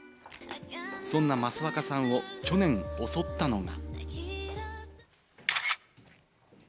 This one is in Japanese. そんな、益若さんを去年、襲ったのが。